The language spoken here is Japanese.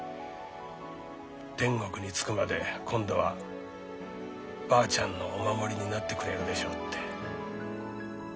「天国に着くまで今度はばあちゃんのお守りになってくれるでしょう」って。